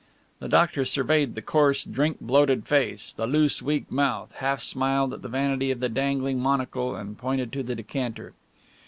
The doctor surveyed the coarse, drink bloated face, the loose, weak mouth, half smiled at the vanity of the dangling monocle and pointed to the decanter.